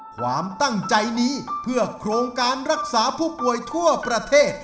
ความตั้งใจนี้เพื่อโครงการรักษาผู้ป่วยทั่วประเทศ